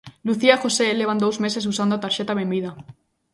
Lucía e José levan dous meses usando a Tarxeta Benvida.